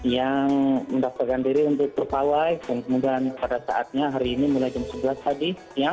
yang mendaftarkan diri untuk berpawai dan kemudian pada saatnya hari ini mulai jam sebelas tadi